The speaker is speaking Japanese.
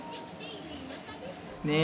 ねえ